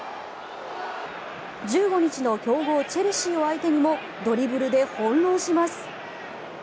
１５日の強豪チェルシーを相手にもドリブルで翻ろうします。